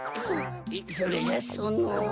それがその。